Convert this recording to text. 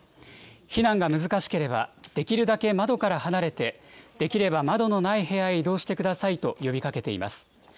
避難が難しければ、できるだけ窓から離れて、できれば窓のない部屋へ移動してくださいと、呼びかけています。